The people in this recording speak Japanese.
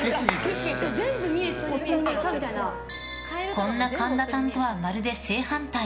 こんな神田さんとはまるで正反対。